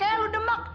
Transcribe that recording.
eh lu demak